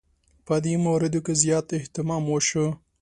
په دې موردونو کې زیات اهتمام وشو.